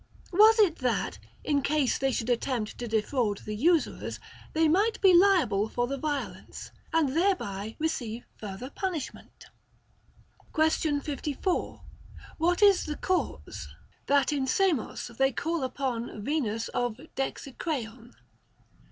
Was it that, in case they should attempt to defraud the usurers, they might be liable for the violence, and thereby receive further punishment ? Question o±. What is the cause that in Samos they call upon Venus of Dexicreon